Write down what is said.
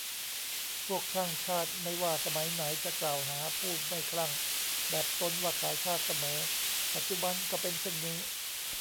พวกคลั่งชาติไม่ว่าสมัยไหนจะกล่าวหาผู้ไม่คลั่งแบบตนว่าขายชาติเสมอ ปัจจุบันก็เป็นเช่นนี้